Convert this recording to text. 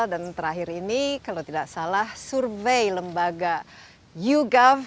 dan terakhir ini kalau tidak salah survei lembaga yougov